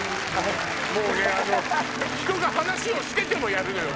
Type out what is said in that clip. ひとが話をしててもやるのよ。